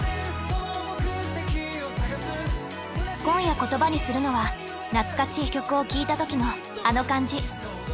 今夜言葉にするのは懐かしい曲を聞いたときのあの感じ。